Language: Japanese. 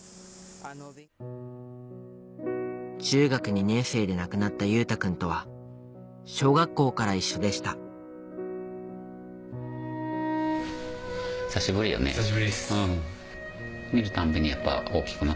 中学２年生で亡くなった優太くんとは小学校から一緒でした久しぶりよね。